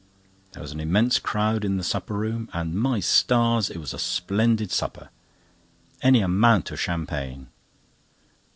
There was an immense crowd in the supper room, and, my stars! it was a splendid supper—any amount of champagne.